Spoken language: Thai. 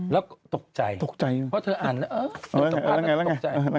แล้วก็ตกใจเพราะเธออ่านแล้วเออตกใจ